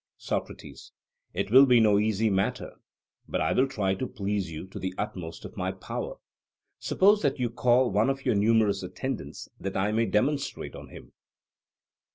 SOCRATES: It will be no easy matter, but I will try to please you to the utmost of my power. Suppose that you call one of your numerous attendants, that I may demonstrate on him.